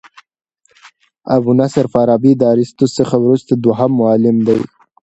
ابو نصر فارابي د ارسطو څخه وروسته دوهم معلم دئ.